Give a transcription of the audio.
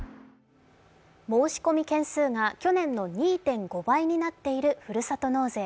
申込件数が去年の２．５倍になっているふるさと納税。